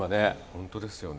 本当ですよね。